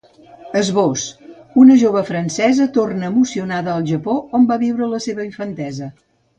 Esbós: Una jove francesa torna emocionada al Japó, on va viure la seva infantesa.